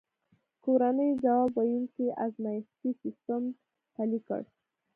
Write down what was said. کورنیو ځواب ویونکی ازمایښتي سیستم پلی کړ.